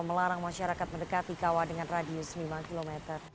melarang masyarakat mendekati kawah dengan radius lima km